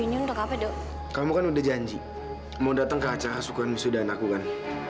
hai bajunya untuk apa dong kamu kan udah janji mau datang ke acara sukuan misudana aku kan